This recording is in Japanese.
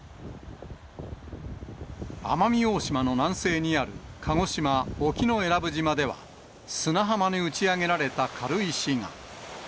奄美大島の南西にある、鹿児島・沖永良部島では砂浜に打ち上げられた軽石が。